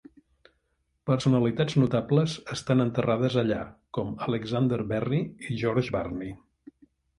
Personalitats notables estan enterrades allà com Alexander Berry i George Barney.